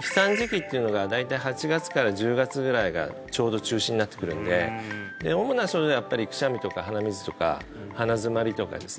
飛散時期っていうのが大体８月から１０月ぐらいがちょうど中心になってくるので主な症状はやっぱりくしゃみとか鼻水とか鼻づまりとかですね